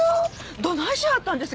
どないしはったんです？